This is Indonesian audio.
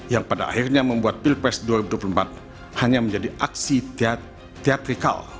yang pada akhirnya membuat pilpres dua ribu dua puluh empat hanya menjadi aksi teatrikal